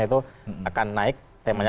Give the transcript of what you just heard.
itu akan naik temanya